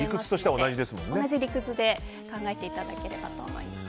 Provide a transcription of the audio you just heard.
同じ理屈で考えていただけたらと思います。